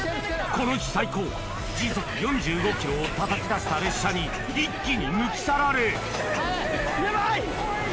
この日最高時速４５キロをたたき出した列車に一気に抜き去られヤバい！